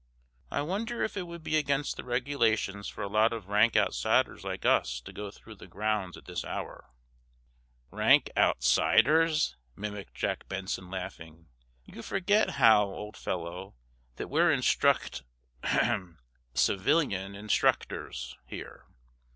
"I wonder if it would be against the regulations for a lot of rank outsiders like us to go through the grounds at this hour?" "'Rank outsiders'?" mimicked Jack Benson, laughing. "You forget, Hal, old fellow, that we're instruct—hem! civilian instructors—here."